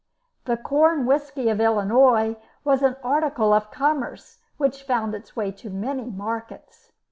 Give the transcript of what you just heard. The corn whisky of Illinois was an article of commerce which found its way to many markets.